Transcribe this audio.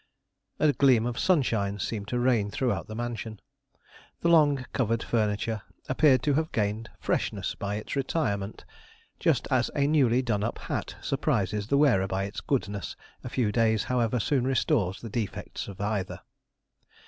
A gleam of sunshine seemed to reign throughout the mansion; the long covered furniture appearing to have gained freshness by its retirement, just as a newly done up hat surprises the wearer by its goodness; a few days, however, soon restores the defects of either.